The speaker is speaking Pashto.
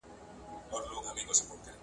خندا د بدن لپاره یو طبیعي درمل دی.